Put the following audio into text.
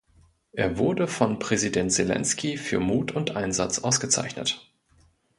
Er wurde von Präsident Selenskyj für Mut und Einsatz ausgezeichnet.